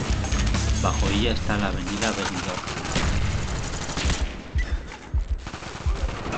Bajo ella, está la avenida Benidorm.